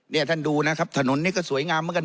นี่ท่านดูนะครับถนนนี้ก็สวยงามเหมือนกัน